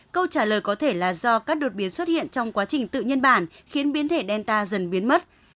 câu trả lời có thể là do các đột biến xuất hiện trong quá trình tự nhân bản khiến biến thể delta dần biến mất